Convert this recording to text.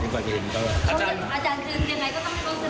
แล้วก็พอเราคิดตกตัวมีคนจะเหลืออะไรเราก็